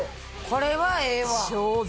これはええわ。